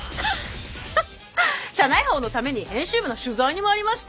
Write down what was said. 社内報のために編集部の取材に参りました。